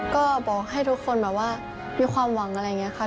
ก็บอกให้ทุกคนแบบว่ามีความหวังอะไรอย่างนี้ค่ะ